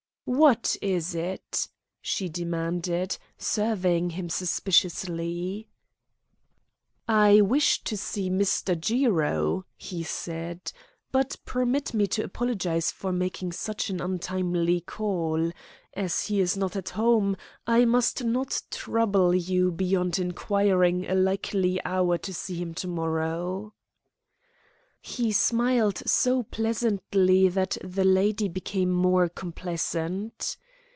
"What is it?" she demanded, surveying him suspiciously. "I wish to see Mr. Jiro," he said, "but permit me to apologise for making such an untimely call. As he is not at home, I must not trouble you beyond inquiring a likely hour to see him to morrow." He smiled so pleasantly that the lady became more complaisant.